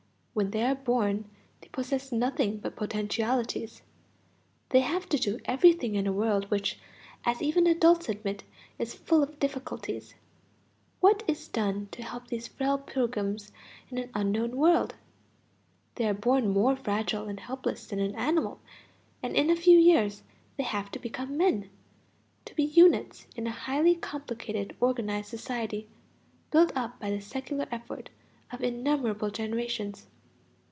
When they are born they possess nothing but potentialities; they have to do everything in a world which, as even adults admit, is full of difficulties. What is done to help these frail pilgrims in an unknown world? They are born more fragile and helpless than an animal, and in a few years they have to become men, to be units in a highly complicated organized society, built up by the secular effort of innumerable generations.